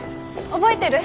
覚えてる？